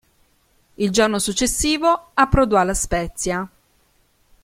Il giorno successivo approdò a La Spezia.